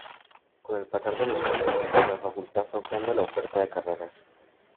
Con el pasar de los años, la facultad fue ampliando la oferta de carreras.